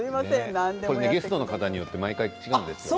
ゲストの方によって毎回、違うんですよ。